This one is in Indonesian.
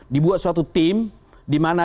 dibuat suatu tim dimana